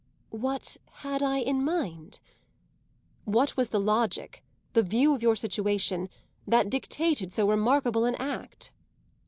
"What had I in mind?" "What was the logic the view of your situation that dictated so remarkable an act?"